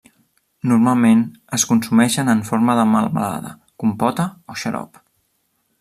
Normalment es consumeixen en forma de melmelada, compota o xarop.